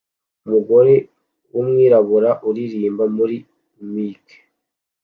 Umugore wumwirabura uririmba muri mic